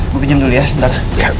bu pinjam dulu ya sebentar